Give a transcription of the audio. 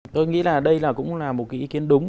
tôi nghĩ là đây là cũng là một cái ý kiến đúng